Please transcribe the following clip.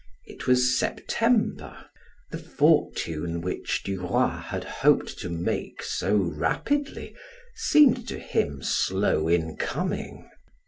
It was September. The fortune which Duroy had hoped to make so rapidly seemed to him slow in coming.